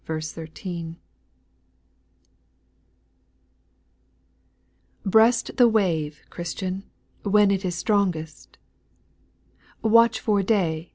1, T) RE AST the wave, Christian, when it is X) strongest ; Watch for day.